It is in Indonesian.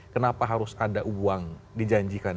kenapa harus ada uang dijanjikan